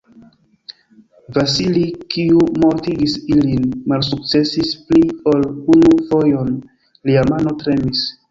Vasili, kiu mortigis ilin, malsukcesis pli ol unu fojon: lia mano tremis.